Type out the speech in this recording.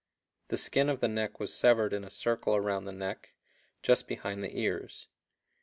The skin of the neck was severed in a circle around the neck, just behind the ears.